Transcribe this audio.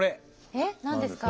えっ何ですか？